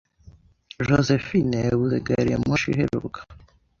Josephine yabuze gari ya moshi iheruka.